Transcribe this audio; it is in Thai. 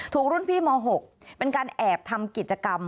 รุ่นพี่ม๖เป็นการแอบทำกิจกรรม